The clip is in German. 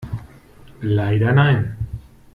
Leider nein.